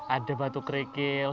ada batu kerikil